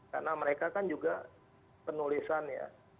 karena mereka kan juga penulisannya